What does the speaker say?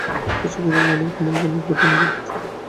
কিছুদিন আগে, আমার কেমন জানি অদ্ভুত অনুভব হচ্ছিল।